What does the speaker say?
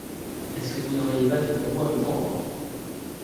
Est-ce que vous n’auriez pas une roue à me vendre?